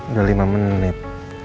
udah lima menit